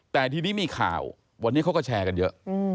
แต่ทีนี้มีข่าววันนี้เขาก็แชร์กันเยอะ